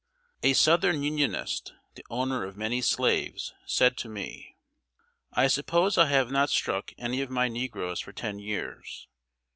A southern Unionist, the owner of many slaves, said to me: "I suppose I have not struck any of my negroes for ten years.